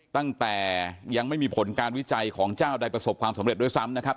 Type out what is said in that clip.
ตั้งแต่ยังไม่มีผลการวิจัยของเจ้าใดประสบความสำเร็จด้วยซ้ำนะครับ